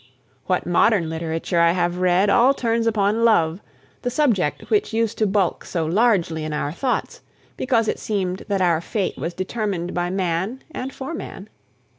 What modern literature I have read all turns upon love, the subject which used to bulk so largely in our thoughts, because it seemed that our fate was determined by man and for man.